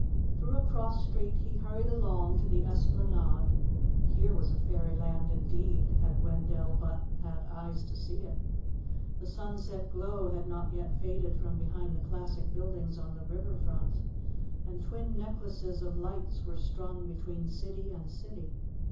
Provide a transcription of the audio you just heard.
Through a cross street he hurried along to the Esplanade. Here was fairy land indeed, had Wendell but had eyes to see it! The sunset glow had not yet faded from behind the classic buildings on the river front, and twin necklaces of lights were strung between city and city.